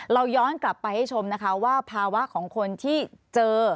เราย้อนกลับไปให้ชมนะคะว่าภาวะของคนที่เจอ